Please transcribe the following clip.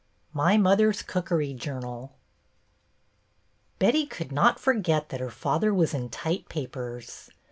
MY mother's cookery JOURNAL B etty could not forget that her father was in tight papers."